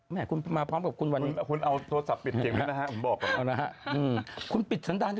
ไม่คุณมาพร้อมกับคุณวันนี้คุณเอาโทรศัพท์ปิดเกมกันนะครับ